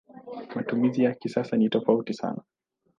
Matumizi ya kisasa ni tofauti sana.